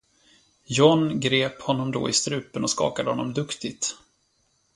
Jon grep honom då i strupen och skakade honom duktigt.